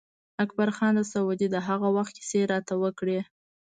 اکبر خان د سعودي د هغه وخت کیسې راته وکړې.